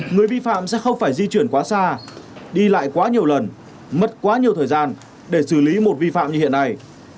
người vi phạm sẽ không phải di chuyển quá xa đi lại quá nhiều lần mất quá nhiều thời gian để xử lý một vi phạm như hiện nay